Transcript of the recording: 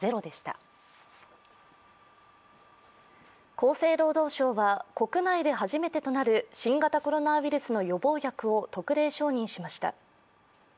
厚生労働省は、国内で初めてとなる新型コロナウイルスの予防薬を特例承認しました。